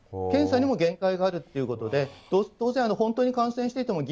検査にも限界があるということで当然、感染しています。